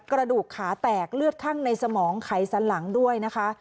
กระดูกขาแตกเลือดข้างในสมองไขสันหลังด้วยนะคะ